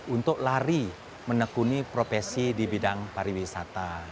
untuk lari menekuni profesi di bidang pariwisata